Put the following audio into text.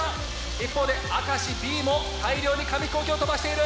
一方で明石Ｂも大量に紙ヒコーキを飛ばしている。